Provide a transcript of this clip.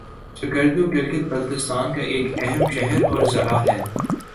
سکردو گلگت بلتستان کا ایک اہم شہر اور ضلع ہے